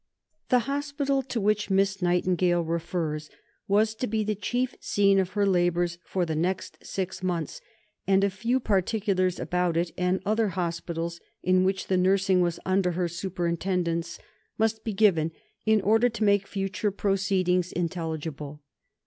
The Hospital, to which Miss Nightingale refers, was to be the chief scene of her labours for the next six months, and a few particulars about it and other hospitals, in which the nursing was under her superintendence, must be given in order to make future proceedings intelligible.